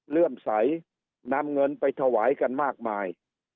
เลื่อมใสนำเงินไปถวายกันมากมาย